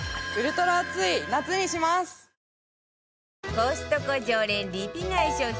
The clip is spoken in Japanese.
コストコ常連リピ買い商品